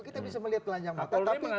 kita bisa melihat telanjang mata